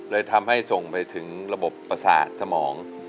เลยทำให้ส่งไปถึงระบบประสาทสมอง